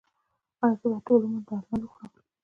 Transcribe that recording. ایا زه باید ټول عمر درمل وخورم؟